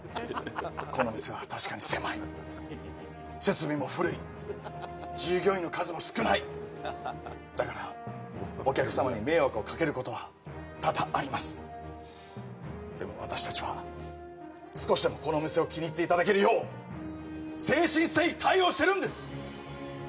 この店は確かに狭い設備も古い従業員の数も少ないだからお客様に迷惑をかけることは多々ありますでも私達は少しでもこのお店を気に入っていただけるよう誠心誠意対応してるんです